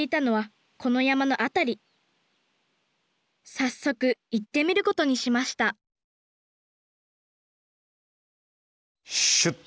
早速行ってみることにしましたシュッと。